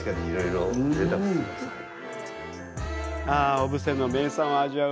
小布施の名産を味わう